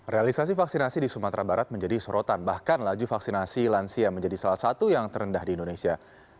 realisasi vaksinasi di sumatera barat menjadi sorotan bahkan laju vaksinasi lansia menjadi salah satu yang terendah di indonesia